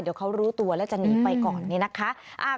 เดี๋ยวเขารู้ตัวแล้วจะหนีไปก่อนเนี่ยนะคะ